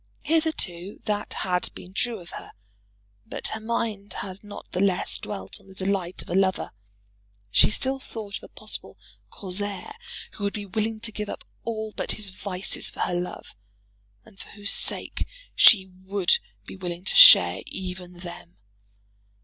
Hitherto that had been true of her; but her mind had not the less dwelt on the delight of a lover. She still thought of a possible Corsair who would be willing to give up all but his vices for her love, and for whose sake she would be willing to share even them.